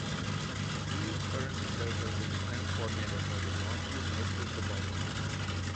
He currently serves as the Defensive Coordinator for the Northview High School football team.